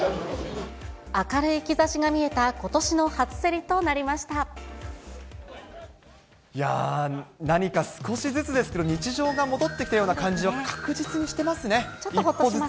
明るい兆しが見えたことしのいやー、何か少しずつですけれども、日常が戻ってきたような感じを確実にしてますね、一歩ずつ。